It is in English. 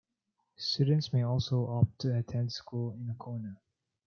Students may also opt to attend school in Nocona.